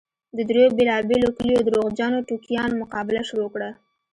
د دريو بېلابېلو کليو درواغجنو ټوکیانو مقابله شروع کړه.